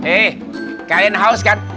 eh kalian haus kan